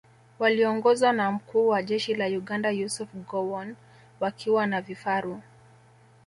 Waliongozwa na Mkuu wa Jeshi la Uganda Yusuf Gowon wakiwa na vifaru